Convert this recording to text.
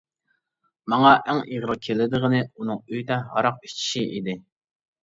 ماڭا ئەڭ ئېغىر كېلىدىغىنى ئۇنىڭ ئۆيدە ھاراق ئىچىشى ئىدى.